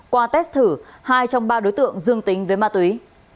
qua test thử hai trong ba đối tượng dương tính với ma túy